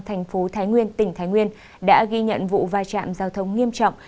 thành phố thái nguyên tỉnh thái nguyên đã ghi nhận vụ vai trạm giao thông nghiêm trọng